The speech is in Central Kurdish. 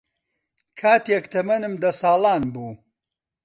کاتێک تەمەنم دە ساڵان بوو